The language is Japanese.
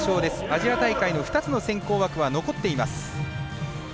アジア大会の２つの選考枠は残っています。